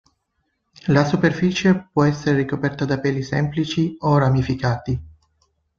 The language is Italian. La superficie può essere ricoperta da peli semplici o ramificati.